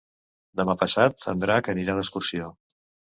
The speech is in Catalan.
Demà passat en Drac anirà d'excursió.